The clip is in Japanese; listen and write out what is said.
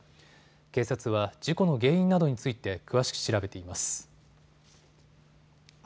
警察は事故の原因などについて詳しく調べています。